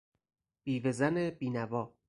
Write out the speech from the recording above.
بیوه زن بینوا